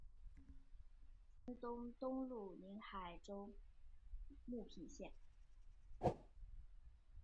金山东东路宁海州牟平县。